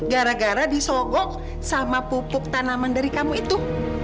gara gara disogok sama pupuk tanaman dari kamu itu